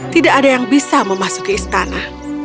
tidak ada yang bisa memasuki istana